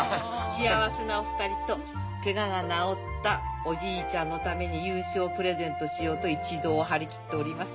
「幸せなお二人とケガが治ったおじいちゃんのために優勝をプレゼントしようと一同張り切っております。